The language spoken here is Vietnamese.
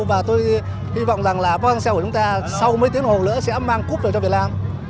và tôi hy vọng rằng là bóng an xeo của chúng ta sau mấy tiếng hồ nữa sẽ mang cúp về cho việt nam